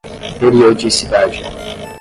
periodicidade